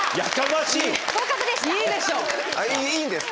いいんですか？